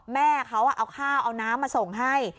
แม่เขาเอาข้าวเอาน้ำมาส่งให้